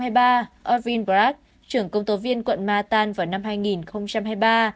irvin bragg trưởng công tố viên quận manhattan vào năm hai nghìn hai mươi ba